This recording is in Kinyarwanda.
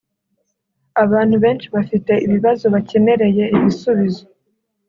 Abantu benshi bafite ibibazo bakenereye ibisubizo